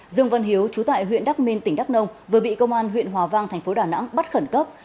dương vân hiếu chú tại huyện đắk minh tỉnh đắk nông vừa bị công an huyện hòa vang thành phố đà nẵng bắt khẩn cấp